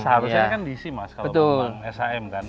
seharusnya kan diisi mas kalau memang shm kan